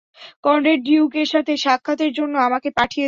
Conrad ডিউকের সাথে সাক্ষাতের জন্য আমাকে পাঠিয়েছেন।